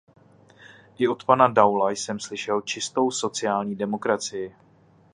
I od pana Daula jsem slyšel čistou sociální demokracii.